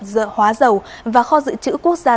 dựa hóa dầu và kho dự trữ quốc gia